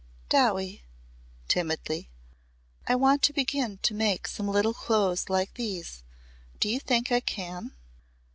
"Dowie," timidly. "I want to begin to make some little clothes like these. Do you think I can?"